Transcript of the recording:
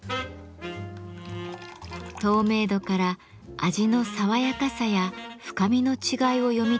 透明度から味の爽やかさや深みの違いを読み取るのだとか。